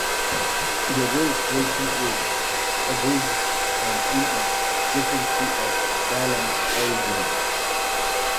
The Byrds' version is abridged and in a different key from Dylan's original.